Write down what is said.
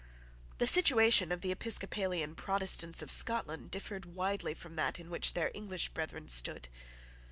The situation of the episcopalian Protestants of Scotland differed widely from that in which their English brethren stood.